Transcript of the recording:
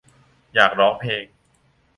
อยากร้องเพลง